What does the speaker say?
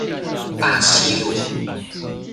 大溪路